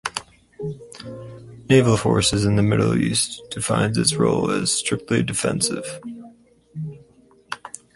Naval Forces in the Middle East defines its role as strictly defensive.